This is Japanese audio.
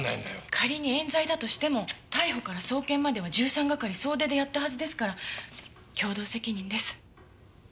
仮に冤罪だとしても逮捕から送検までは１３係総出でやったはずですから共同責任です。